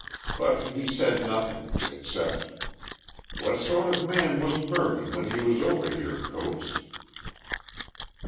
But he said nothing except: "What sort of man was Mervyn when he was over here, Coates?"